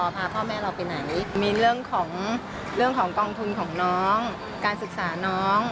พาพ่อแม่เราไปไหนมีเรื่องของเรื่องของกองทุนของน้องการศึกษาน้อง